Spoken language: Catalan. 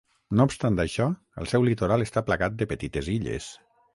No obstant això, el seu litoral està plagat de petites illes.